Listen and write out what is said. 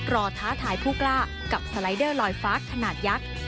ท้าทายผู้กล้ากับสไลเดอร์ลอยฟ้าขนาดยักษ์